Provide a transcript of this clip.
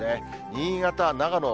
新潟、長野、